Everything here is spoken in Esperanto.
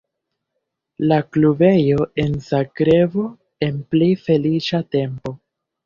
La klubejo en Zagrebo en pli feliĉa tempo.